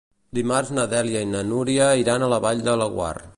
Dimarts na Dèlia i na Núria iran a la Vall de Laguar.